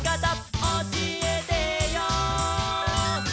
「おしえてよ」